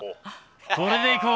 これでいこう。